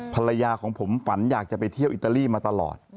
ภรรยาของผมฝันอยากจะไปเที่ยวอิตาลีมาตลอด